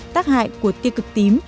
tác hại của tiêu cực tím